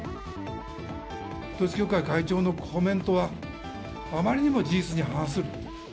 統一教会会長のコメントは、あまりにも事実に反する。